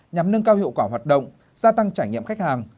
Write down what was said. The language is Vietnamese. nhằm nâng cao hiệu quả hoạt động gia tăng trải nghiệm khách hàng